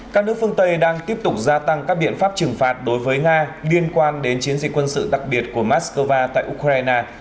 các nước phương tây đang tiếp tục gia tăng các biện pháp trừng phạt đối với nga liên quan đến chiến dịch quân sự đặc biệt của moscow tại ukraine